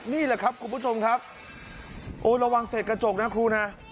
นี่แหละครับคุณผู้ชมครับโอ้ระวังเสร็จกระจกนะครูนะ